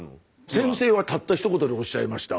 先生はたったひと言でおっしゃいました。